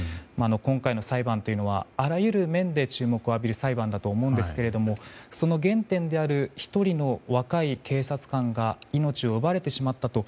今回の裁判というのはあらゆる面で注目を浴びる裁判だと思いますがその原点である１人の若い警察官が命を奪われてしまったと。